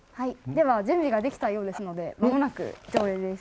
では準備ができたようですのでまもなく上映です。